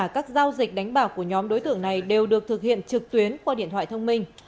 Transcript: các giao dịch đánh bạc của nhóm đối tượng này đều được thực hiện trực tuyến qua điện thoại thông minh